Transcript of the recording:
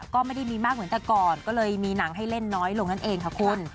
ก็ไม่ได้มีมากเหมือนแต่ก่อนก็เลยมีหนังให้เล่นน้อยลงนั่นเองค่ะคุณ